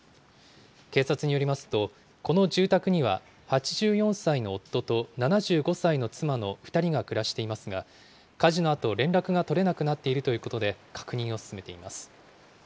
警察によりますと、この住宅には８４歳の夫と７５歳の妻の２人が暮らしていますが、火事のあと連絡が取れなくなっているということで、確認を進めています。